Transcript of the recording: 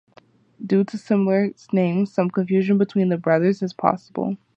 Due to similar names, some confusion between the brothers is possible.